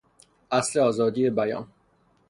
اصل آزادی بیان